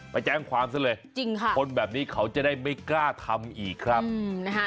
ไปแจ้งความซะเลยคนแบบนี้เขาจะได้ไม่กล้าทำอีกครับจริงค่ะ